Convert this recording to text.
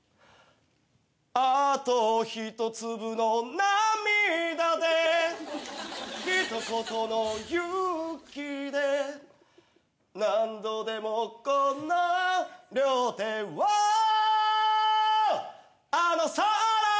「あと一粒の涙でひと言の勇気で」「何度でもこの両手をあの空へ」